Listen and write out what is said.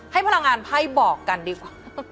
พลังงานไพ่บอกกันดีกว่า